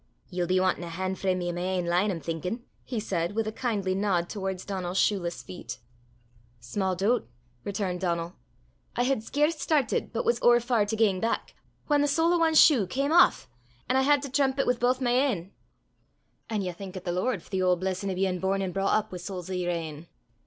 "Ye'll be wantin' a han' frae me i' my ain line, I'm thinkin'!" he said, with a kindly nod towards Donal's shoeless feet. "Sma' doobt!" returned Donal. "I had scarce startit, but was ower far to gang back, whan the sole o' ae shue cam aff, an' I had to tramp it wi' baith my ain." "An' ye thankit the Lord for the auld blessin' o' bein' born an' broucht up wi' soles o' yer ain!"